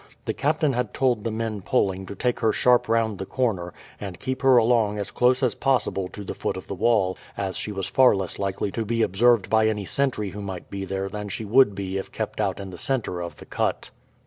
The captain had told the men poling to take her sharp round the corner, and keep her along as close as possible to the foot of the wall, as she was far less likely to be observed by any sentry who might be there than she would be if kept out in the centre of the cut.